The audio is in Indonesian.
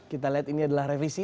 kita lihat ini adalah revisi